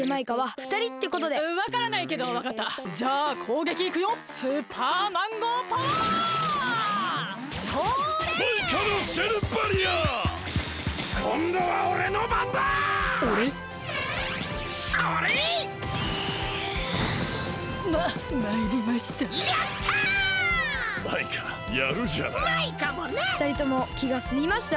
ふたりともきがすみました？